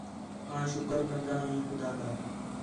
آں شُکر گݙدا ہیں خُدا تا